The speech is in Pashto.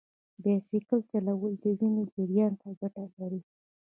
بایسکل چلول د وینې جریان ته ګټه لري.